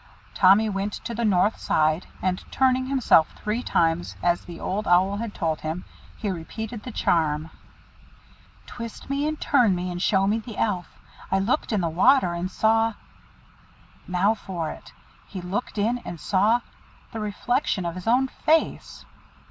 Tommy went to the north side, and turning himself three times, as the Old Owl had told him, he repeated the charm "Twist me, and turn me, and show me the Elf I looked in the water, and saw " Now for it! He looked in, and saw the reflection of his own face.